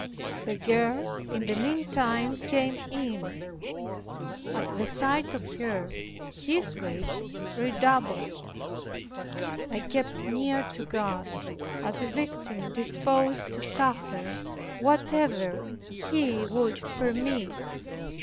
The girl in the meantime came in. At the sight of her his rage redoubled. I kept near to God, as a victim disposed to suffer whatever He would permit.